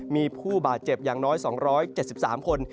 มีผู้บาดเจ็บอย่างน้อย๒๗๓คน